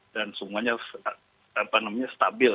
dan semuanya stabil